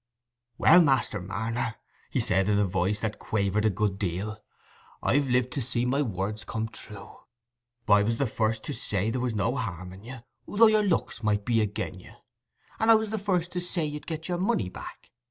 "Well, Master Marner," he said, in a voice that quavered a good deal, "I've lived to see my words come true. I was the first to say there was no harm in you, though your looks might be again' you; and I was the first to say you'd get your money back.